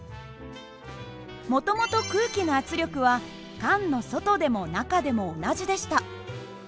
もともと空気の圧力は缶の外でも中でも同じでした。